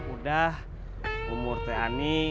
udah umur teh ini